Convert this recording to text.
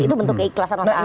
itu bentuk keikhlasan mas anies